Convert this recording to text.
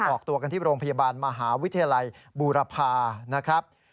ออกตัวกันที่โรงพยาบาลมหาวิทยาลัยบูรพานะครับ